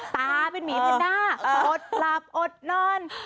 ตาเป็นหมีเป็นหน้าอดหลับอดนอน